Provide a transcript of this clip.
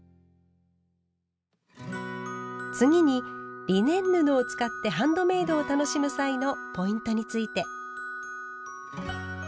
次にリネン布を使ってハンドメイドを楽しむ際のポイントについて。